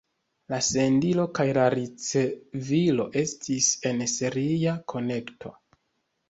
La sendilo kaj la ricevilo estis en seria konekto.